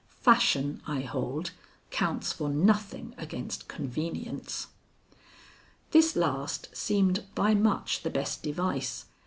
(Fashion, I hold, counts for nothing against convenience.) This last seemed by much the best device.